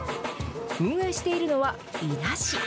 運営しているのは伊那市。